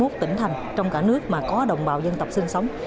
trên năm mươi một tỉnh thành trong cả nước mà có đồng bào dân tộc sinh sống